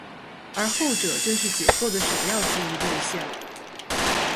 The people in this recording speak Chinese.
而后者正是解构的首要质疑对象。